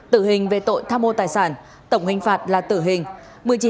tử hình về tội tham mô tài sản tổng hình phạt là tử hình